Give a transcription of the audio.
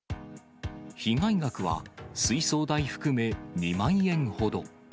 被害額は水槽代含め、２万円ほど。